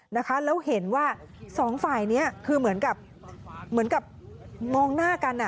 แล้วเห็นว่า๒ฝ่ายนี้เหมือนกับมองหน้ากัน